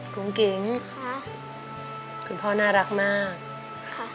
กุ้งกิ๋งค่ะคุณพ่อน่ารักมากค่ะ